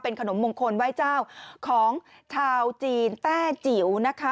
ขนมมงคลไหว้เจ้าของชาวจีนแต้จิ๋วนะคะ